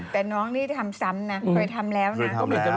แต่น้องนี่ทำซ้ำนะเคยทำแล้วนะ